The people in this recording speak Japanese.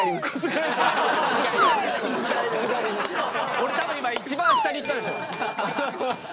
俺多分今一番下にいったでしょ。